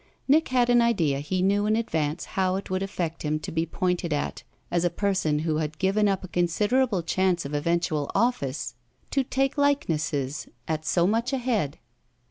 Nick had an idea he knew in advance how it would affect him to be pointed at as a person who had given up a considerable chance of eventual "office" to take likenesses at so much a head.